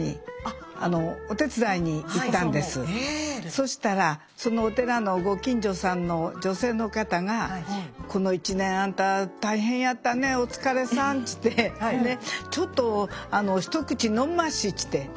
そしたらそのお寺のご近所さんの女性の方が「この１年あんた大変やったねお疲れさん」っつってあらあらあら。